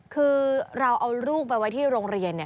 คือเราเอาลูกไปไว้ที่โรงเรียน